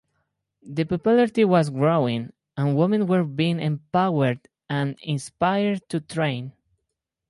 The popularity was growing and women were being empowered and inspired to train.